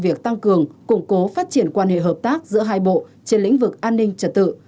việc tăng cường củng cố phát triển quan hệ hợp tác giữa hai bộ trên lĩnh vực an ninh trật tự